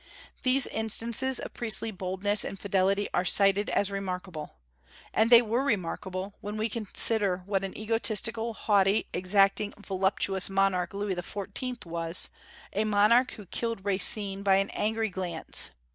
These instances of priestly boldness and fidelity are cited as remarkable. And they were remarkable, when we consider what an egotistical, haughty, exacting, voluptuous monarch Louis XIV. was, a monarch who killed Racine by an angry glance.